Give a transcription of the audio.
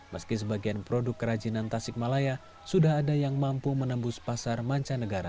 meski sebagian produk kerajinan tasik malaya sudah ada yang mampu menembus pasar mancanegara